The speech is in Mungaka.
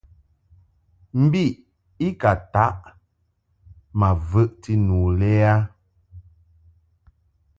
Mbiʼ i ka ntaʼ ma vəʼti muʼ lɛ a.